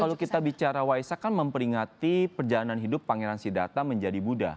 kalau kita bicara waisak kan memperingati perjalanan hidup pangeran sidata menjadi buddha